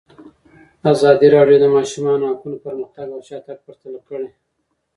ازادي راډیو د د ماشومانو حقونه پرمختګ او شاتګ پرتله کړی.